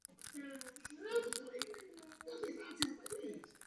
Současně však požadujeme zavedení vnitrostátních akčních plánů s vyčíslenými cíli.